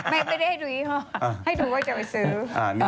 ไม่ได้ให้ดูยี่ห้อให้ดูว่าจะไปซื้อ